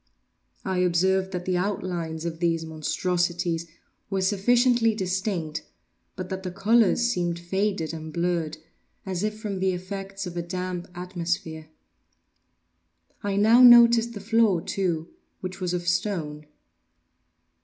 I observed that the outlines of these monstrosities were sufficiently distinct, but that the colors seemed faded and blurred, as if from the effects of a damp atmosphere. I now noticed the floor, too, which was of stone.